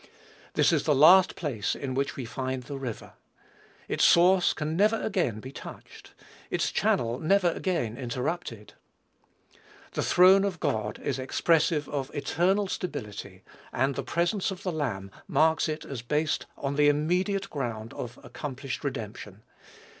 This is the last place in which we find the river. Its source can never again be touched, its channel never again interrupted. "The throne of God" is expressive of eternal stability; and the presence of the Lamb marks it as based upon the immediate ground of accomplished redemption.